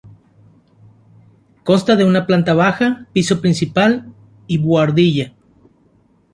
Consta de una planta baja, piso principal y buhardilla.